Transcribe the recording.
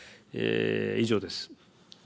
以上です。